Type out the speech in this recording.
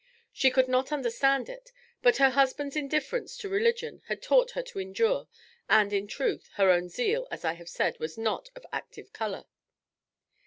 She could not understand it, but her husband's indifference to religion had taught her to endure, and, in truth, her own zeal, as I have said, was not of active colour.